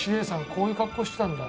こういう格好してたんだ。